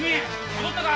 戻ったか？